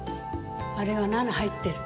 あれは７入ってる。